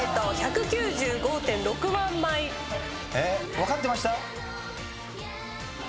分かってました？